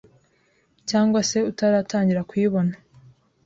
cyangwa se utaratangira kuyibona